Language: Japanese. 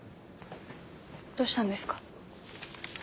どうしたんですか？